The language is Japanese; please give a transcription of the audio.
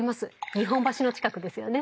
日本橋の近くですよね。